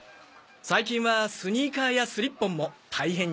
最近はスニーカーやスリッポンも大変人気ですよ。